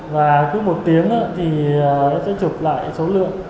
và cứ một tiếng thì nó sẽ chụp lại số lượng